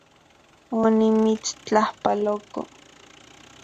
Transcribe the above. Onimitstlajpaloko